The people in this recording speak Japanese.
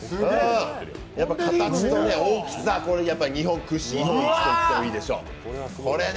形と大きさ、日本屈指、日本一と言ってもいいでしょう。